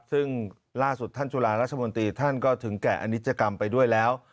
ซึ่งล่าสุดท่านจุฬาราชมนตรีท่านก็ถึงแก่อนิจกรรมไปด้วยแล้ว